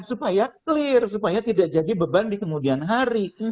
supaya clear supaya tidak jadi beban di kemudian hari